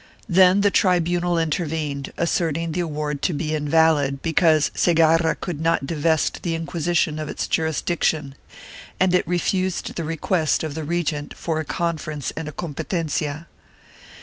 Then the tribunal intervened, asserting the award to be invalid because Segarra could not divest the Inquisition of its jurisdiction and it refused the request of the regent for a con ference and a competencia.